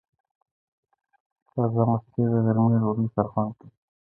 تازه مستې د غرمې ډوډۍ سره خوند کوي.